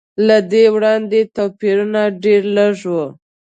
له دې وړاندې توپیرونه ډېر لږ و.